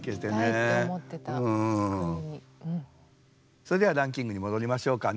それではランキングに戻りましょうかね。